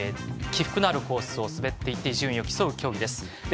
起伏のあるコースを滑っていって順位を競う競技です。